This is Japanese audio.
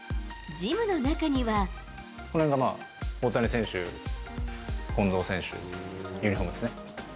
これがまあ、大谷選手、近藤選手のユニホームですね。